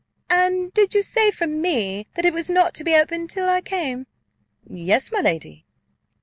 "And did you say from me, that it was not to be opened till I came?' "Yes, my lady."